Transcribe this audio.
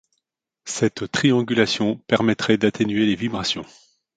Cette triangulation permettrait d'atténuer les vibrations.